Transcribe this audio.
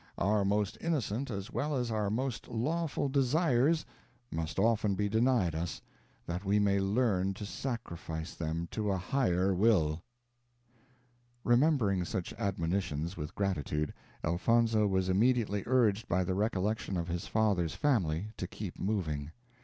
Our most innocent as well as our most lawful _desires _must often be denied us, that we may learn to sacrifice them to a Higher will." Remembering such admonitions with gratitude, Elfonzo was immediately urged by the recollection of his father's family to keep moving.